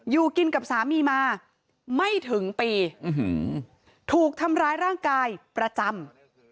อยู่กินกับสามีมาไม่ถึงปีถูกทำร้ายร่างกายประจำ